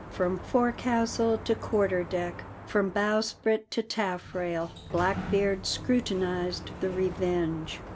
From forecastle to quarter deck, from bowsprit to taffrail, Blackbeard scrutinized the Revenge.